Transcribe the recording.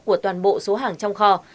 của toàn bộ số hàng trong kho